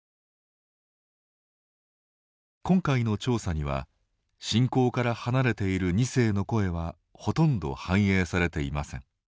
今回の調査には信仰から離れている２世の声はほとんど反映されていません。